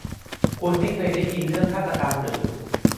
คุณไม่เคยได้ยินเรื่องฆาตกรรมหรือ